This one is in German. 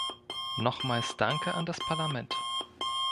Nochmals danke an das Parlament.